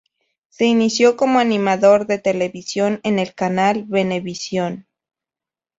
Se inició como animador de televisión en el canal Venevisión.